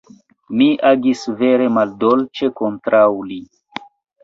Mi agis vere maldolĉe kontraŭ li.